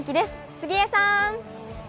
杉江さん。